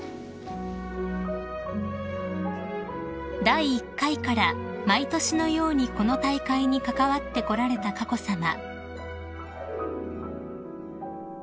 ［第１回から毎年のようにこの大会に関わってこられた佳子さま］